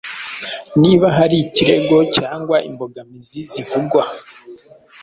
Niba hari ikirego cyangwa imbogamizi zivugwa